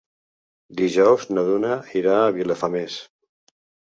Dijous na Duna irà a Vilafamés.